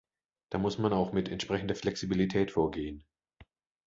Da muss man auch mit entsprechender Flexibilität vorgehen.